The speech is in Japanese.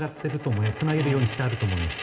つなげるようにしていると思います。